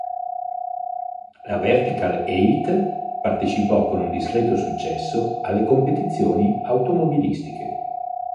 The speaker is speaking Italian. La Vertical Eight partecipò con un discreto successo alle competizioni automobilistiche.